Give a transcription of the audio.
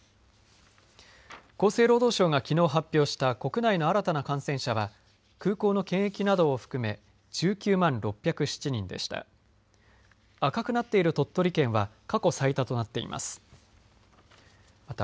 厚生労働省がきのう発表した国内の新たな感染者は空港の検疫などを含め１９万６０７人でした。